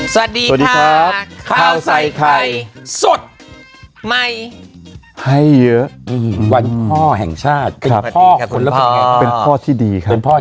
สวัสดีครับข้าวใส่ไข่สดใหม่ให้เยอะวันพ่อแห่งชาติค่ะพ่อคุณพ่อเป็นพ่อที่ดี